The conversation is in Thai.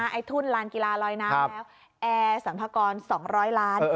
ไอ้ทุ่นลานกีฬาลอยน้ำแล้วแอร์สรรพากร๒๐๐ล้าน